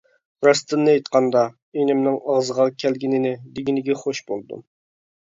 راستىنى ئېيتقاندا، ئىنىمنىڭ ئاغزىغا كەلگىنىنى دېگىنىگە خۇش بولدۇم.